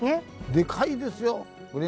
でかいですよこれ。